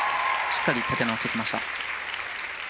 しっかり立て直してきました。